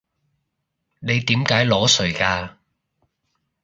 你點解裸睡㗎？